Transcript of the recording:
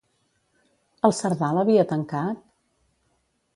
El Cerdà l'havia tancat?